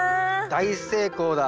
大成功だ。